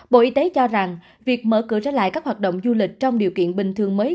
bộ y tế cho rằng việc mở cửa trở lại các hoạt động du lịch trong điều kiện bình thường mới